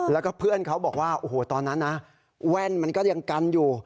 แล้วก็เพื่อนเขาบอกว่าโอ้โหตอนนั้นนะแว่นมันก็ยังกันอยู่